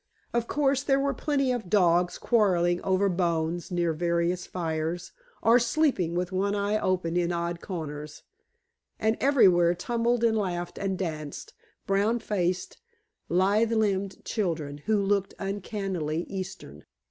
Of course, there were plenty of dogs quarrelling over bones near various fires, or sleeping with one eye open in odd corners, and everywhere tumbled and laughed and danced, brown faced, lithe limbed children, who looked uncannily Eastern.